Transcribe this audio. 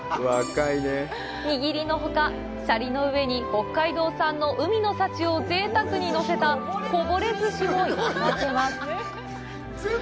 握りのほか、シャリの上に北海道産の海の幸をぜいたくにのせたこぼれずしもいただけます。